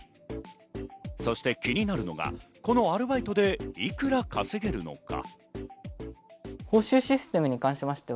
そして気になるのが、このアルバイトでいくら稼げるのか。